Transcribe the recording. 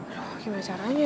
aduh gimana caranya ya